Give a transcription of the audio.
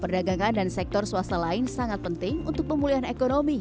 perdagangan dan sektor swasta lain sangat penting untuk pemulihan ekonomi